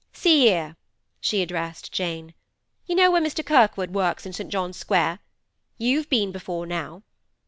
'See 'ere,' she addressed Jane. 'You know where Mr. Kirkwood works in St. John's Square? You've been before now.